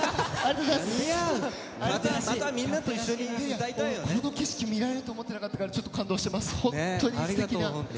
またみんなと一緒にこの景色を見られると思ってなかったからちょっと感動しています。